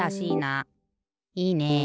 いいね。